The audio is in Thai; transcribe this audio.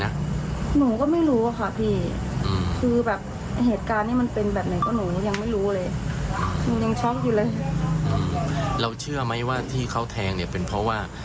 หนูยังชอบอยู่เลยเราเชื่อไหมว่าที่เค้าแทงเนี่ยเป็นเพราะว่า